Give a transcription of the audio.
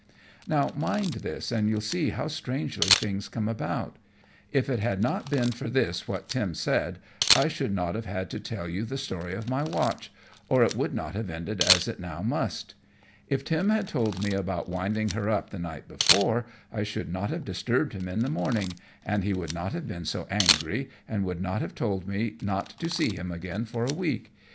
Now, mind this and you'll see how strangely things come about. If it had not been for this what Tim said, I should not have had to tell you the story of my watch, or it would not have ended as it now must. If Tim had told me about winding her up the night before I should not have disturbed him in the morning, and he would not have been so angry, and would not have told me not to see him again for a week.